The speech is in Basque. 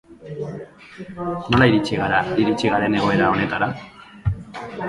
Nola iritsi gara iritsi garen egoera honetara?